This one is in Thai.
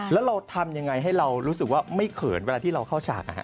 แล้วเราทำยังไงให้เรารู้สึกว่าไม่เขินเวลาที่เราเข้าฉาก